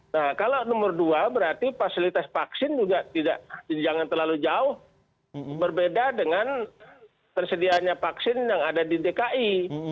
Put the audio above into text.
nah kalau nomor dua berarti fasilitas vaksin juga tidak jangan terlalu jauh berbeda dengan tersedianya vaksin yang ada di dki